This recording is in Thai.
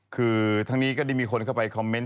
คือทั้งนี้ก็ได้มีคนเข้าไปคอมเมนต